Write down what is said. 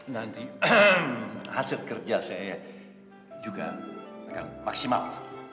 nanti hasil kerja saya juga akan maksimal